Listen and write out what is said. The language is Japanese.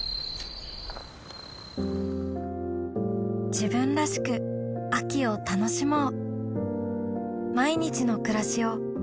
自分らしく秋を楽しもう